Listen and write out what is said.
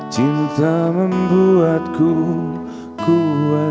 cinta membuatku kuat berani